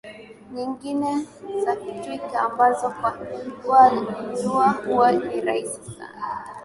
nyingine za twiga ambazo kwa kuwa gundua huwa ni rahisi sana